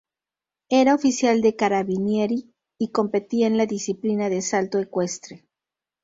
Era oficial de Carabinieri y competía en la disciplina de salto ecuestre.